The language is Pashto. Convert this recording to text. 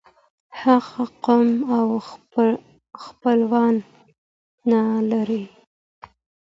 هغه قوم او خپلوان نلري.